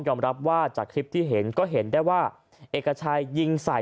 รับว่าจากคลิปที่เห็นก็เห็นได้ว่าเอกชัยยิงใส่